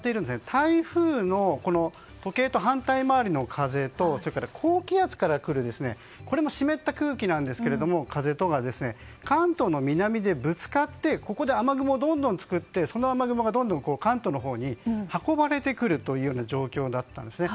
台風の、時計と反対回りの風とそれから高気圧から来る湿った空気の風とが、関東の南でぶつかってここで雨雲をどんどん作ってその雨雲がどんどん関東のほうに運ばれてくるような状況だったんですね。